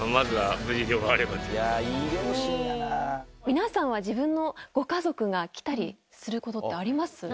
皆さんは自分のご家族が来たりすることってあります？